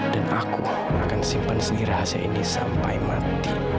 aku akan simpan sendiri rahasia ini sampai mati